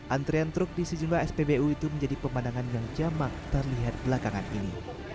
antrean truk di sejumlah spbu itu menjadi pemandangan yang jamak terlihat belakangan ini